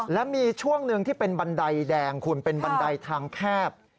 และมีช่วงหนึ่งที่เป็นบันไดแดงคุณเป็นบันไดทางแคบ